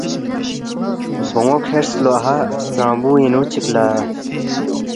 بونو کھرس لو اَہا سترنگبوئینگنو چک لا